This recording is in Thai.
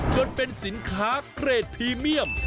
จนเป็นสินค้าเกรดพรีเมียม